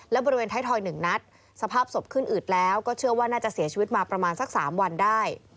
และบริเวณไทยทอย๑นัดสภาพศพขึ้นอืดแล้วก็เชื่อว่าน่าจะเสียชีวิตมาประมาณสัก๓วันได้